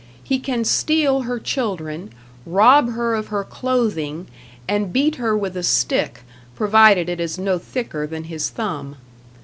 He can steal her children, rob her of her clothing, and beat her with a stick provided it is no thicker than his thumb.